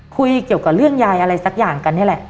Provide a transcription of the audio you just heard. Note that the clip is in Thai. คุยเกี่ยวกับเรื่องยายอะไรสักอย่างกันนี่แหละ